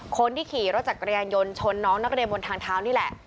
คนที่ขี่รถจักรยานยนต์ชนน้องนักเรียนบนทางเท้านี่แหละ